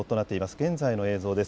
現在の映像です。